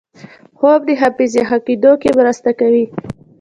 خوب د حافظې ښه کېدو کې مرسته کوي